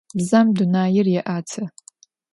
Bzem dunair yê'etı.